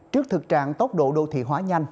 trước thực trạng tốc độ đô thị hóa nhanh